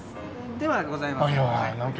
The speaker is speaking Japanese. ではございません。